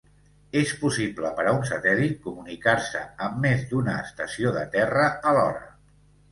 És possible per a un satèl·lit comunicar-se amb més d'una estació de terra alhora.